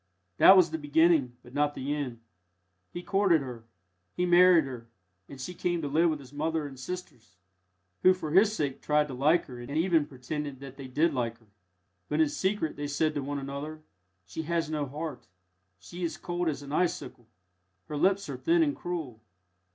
That was the beginning, but not the end. He courted her he married her and she came to live with his mother and sisters, who for his sake tried to like her and even pretended that they did like her. But in secret they said to one another, "She has no heart; she is cold as an icicle; her lips are thin and cruel.